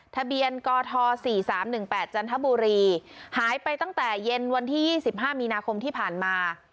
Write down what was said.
ทะเบียนกท๔๓๑๘จันทบุรีหายไปตั้งแต่เย็นวันที่๒๕มีนาคมที่ผ่านมา